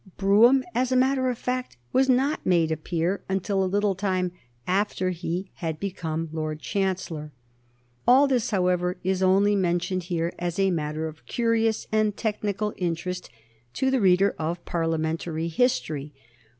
Brougham as a matter of fact was not made a peer until a little time after he had become Lord Chancellor. All this, however, is only mentioned here as a matter of curious and technical interest to the reader of Parliamentary history.